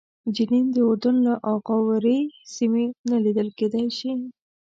جنین د اردن له اغاورې سیمې نه لیدل کېدای شي.